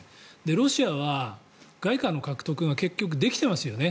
ロシアは外貨の獲得が結局できていますよね。